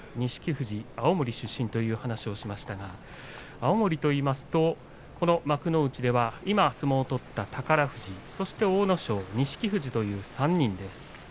富士青森出身という話をしましたが青森といいますとこの幕内では今相撲を取った宝富士、そして阿武咲、錦富士という３人です。